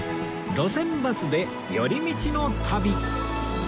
『路線バスで寄り道の旅』